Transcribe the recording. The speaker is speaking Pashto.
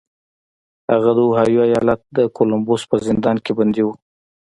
هغه د اوهایو ایالت د کولمبوس په زندان کې بندي و